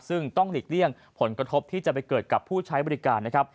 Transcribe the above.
ซึ่งต้องหลีกเลี่ยงผลกระทบที่จะไปเกิดกับผู้ใช้บริการนะครับ